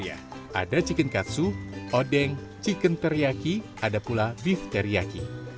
ada chicken katsu odeng chicken teriyaki ada pula beef teriyaki